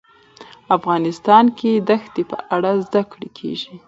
افغانستان کې د ښتې په اړه زده کړه کېږي.